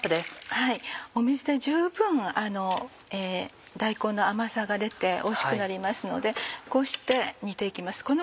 水で十分大根の甘さが出ておいしくなりますのでこうして煮て行きます